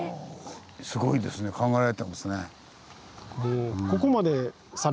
すごいですね考えられてますね。